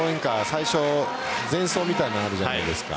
最初、前奏みたいなのがあるじゃないですか。